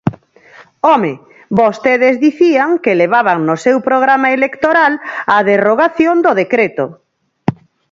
¡Home!, vostedes dicían que levaban no seu programa electoral a derrogación do decreto.